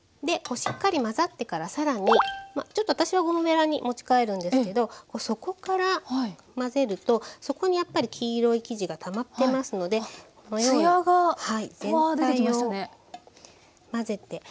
しっかり混ざってからさらに私はゴムべらに持ち替えるんですけど底から混ぜると底にやっぱり黄色い生地がたまってますのでこのように全体を混ぜて。